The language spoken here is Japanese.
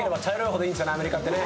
アメリカってね。